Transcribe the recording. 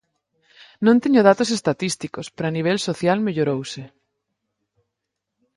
Non teño datos estatísticos pero a nivel social mellorouse.